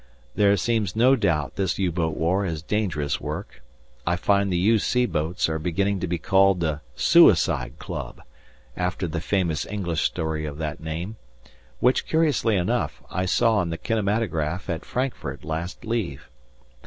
There seems no doubt this U boat war is dangerous work; I find the U.C. boats are beginning to be called the Suicide Club, after the famous English story of that name, which, curiously enough, I saw on the kinematograph at Frankfurt last leave.